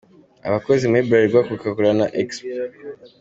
Abakozi muri Bralirwa, Coca-Cola na Exp.